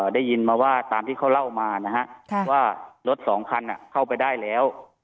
ได้ยินมาว่าตามที่เขาเล่ามานะฮะว่ารถสองคันเข้าไปได้แล้ว